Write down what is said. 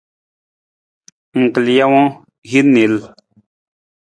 U kal jawang, hin niil.